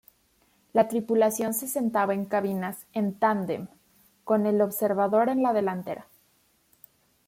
La tripulación se sentaba en cabinas en tándem, con el observador en la delantera.